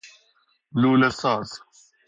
لوله ساز